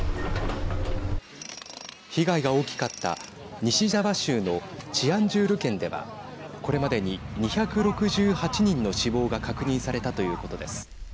被害が大きかった西ジャワ州のチアンジュール県ではこれまでに２６８人の死亡が確認されたということです。